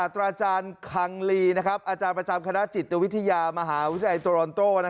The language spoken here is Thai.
ตรคังลีอาจารย์ประจำคณะจิตมหาวิทยาไตโตรนโต้